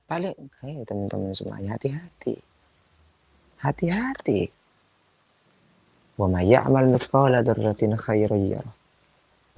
balik temen temen semuanya hati hati hati hati hai bomaya amal nuskola darlatin khairiyah